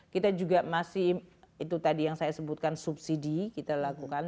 kita juga masih itu tadi yang saya sebutkan subsidi kita lakukan